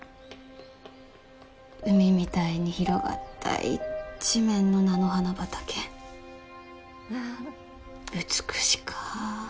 海みたいに広がった一面の菜の花畑美しかー